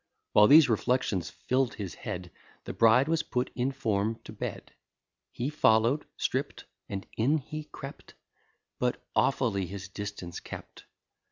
While these reflections fill'd his head, The bride was put in form to bed: He follow'd, stript, and in he crept, But awfully his distance kept.